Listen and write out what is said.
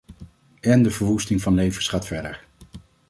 En de verwoesting van levens gaat verder.